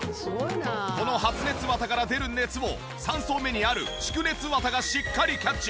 この発熱綿から出る熱を３層目にある蓄熱綿がしっかりキャッチ。